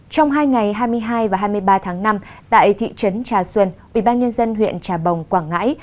trong hai ngày hai mươi hai và hai mươi ba tháng năm tại thị trấn trà xuân ubnd huyện trà bồng quảng ngãi